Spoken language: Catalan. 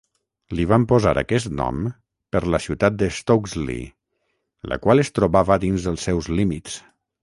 Li van posar aquest nom per la ciutat d'Stokesley, la qual es trobava dins els seus límits.